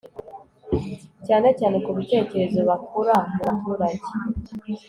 cyane cyane ku bitekerezo bakura mu baturage